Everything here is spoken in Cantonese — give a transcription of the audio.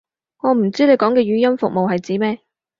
我唔知你講嘅語音服務係指咩